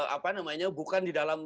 apa namanya bukan di dalam